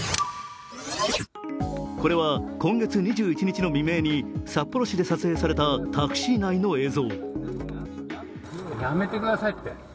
これは、今月２１日の未明に札幌市で撮影されたタクシー内の映像。